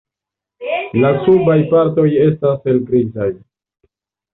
La subaj partoj estas helgrizaj.